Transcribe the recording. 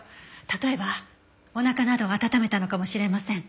例えばおなかなどを温めたのかもしれません。